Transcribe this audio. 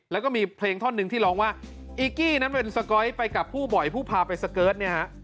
แล้วก็มีเพลงท่อนหนึ่งที่ร้องว่าอีกกี้นั้นเป็นสก๊อยไปกับผู้บ่อยผู้พาไปสเกิร์ตเนี่ยฮะ